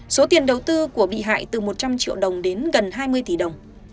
số tiền đầu tư của bị hại từ một trăm linh triệu đồng đến gần hai mươi tỷ đồng